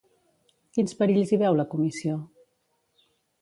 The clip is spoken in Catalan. Quins perills hi veu la Comissió?